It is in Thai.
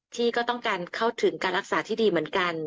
พี่ก็ต้องการเข้าถึงการรักษาที่ดีเหมือนกัน